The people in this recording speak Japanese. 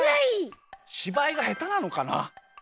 しばいがへたなのかな。